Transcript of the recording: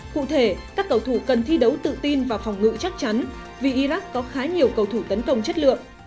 cụ thể các cầu thủ cần thi đấu tự tin và phòng ngự chắc chắn vì iraq có khá nhiều cầu thủ tấn công chất lượng